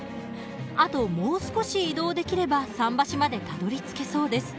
あともう少し移動できれば桟橋までたどりつけそうです。